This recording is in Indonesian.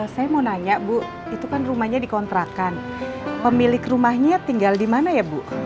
saya mau nanya bu itu kan rumahnya dikontrakan pemilik rumahnya tinggal di mana ya bu